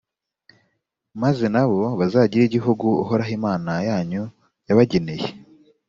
maze na bo bazagire igihugu uhoraho, imana yanyu, yabageneye.